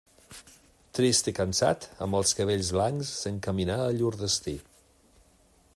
Trist i cansat, amb els cabells blancs, s'encaminà a llur destí.